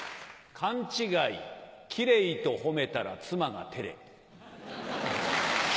勘違いキレイと褒めたら妻が照れ。